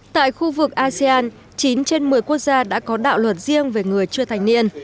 tại khu vực asean chín trên một mươi quốc gia đã có đạo luật riêng về người chưa thành niên